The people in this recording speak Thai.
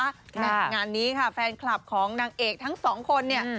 งานนี้ค่ะแฟนคลับของนางเอกทั้งสองคนเนี่ย